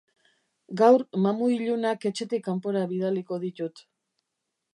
Gaur mamu ilunak etxetik kanpora bidaliko ditut.